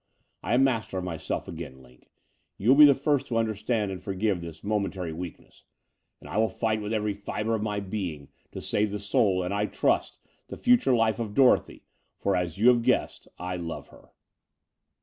I am master of myself again. Line — ^you will be the first to tmderstand and forgive this momentary weakness — and I will fight with every fibre of my being to save the soul and, I trust, the future life of Dorothy : for, as you have guessed, I love her."